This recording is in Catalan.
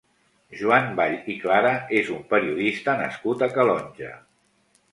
Joan Vall i Clara és un periodista nascut a Calonge.